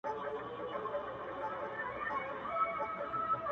جادوګر وي غولولي یې غازیان وي -